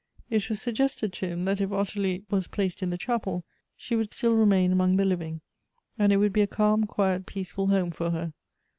It was suggested to him that if Ottilie was 318 Goethe's placed in the chapel, she would still remain among the living, and it would be a calm, quiet, peaceful homo for her.